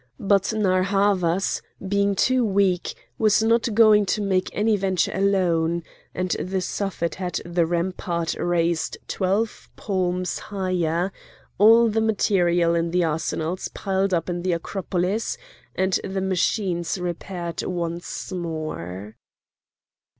But Narr' Havas, being too weak, was not going to make any venture alone; and the Suffet had the rampart raised twelve palms higher, all the material in the arsenals piled up in the Acropolis, and the machines repaired once more.